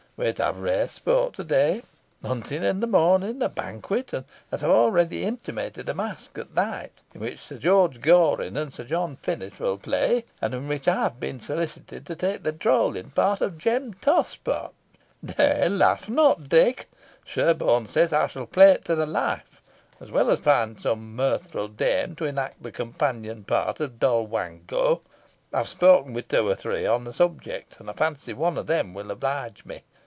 We are to have rare sport to day. Hunting in the morning, a banquet, and, as I have already intimated, a masque at night, in which Sir George Goring and Sir John Finett will play, and in which I have been solicited to take the drolling part of Jem Tospot nay, laugh not, Dick, Sherborne says I shall play it to the life as well as to find some mirthful dame to enact the companion part of Doll Wango. I have spoken with two or three on the subject, and fancy one of them will oblige me.